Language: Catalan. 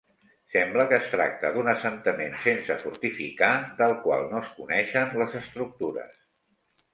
Sembla que es tracta d'un assentament sense fortificar, del qual no es coneixen les estructures.